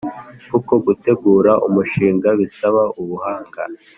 kuko gutegura umushinga bisaba ubuhanga.